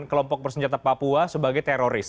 kelompok bersenjata papua sebagai teroris